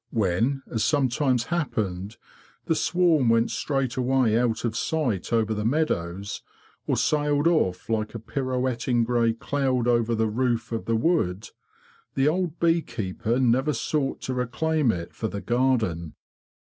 When, as some times happened, the swarm went straight away out of sight over the meadows, or sailed off like a pirouetting grey cloud over the roof of the wood, the old bee keeper never sought to reclaim it for the garden.